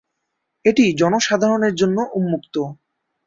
এটি জনসাধারনের জন্য উন্মুক্ত।